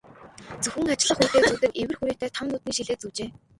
Зөвхөн ажиллах үедээ зүүдэг эвэр хүрээтэй том нүдний шилээ зүүжээ.